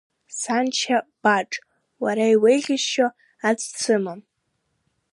Саншьа Баџ, уара иуеиӷьасшьо аӡә дсымам.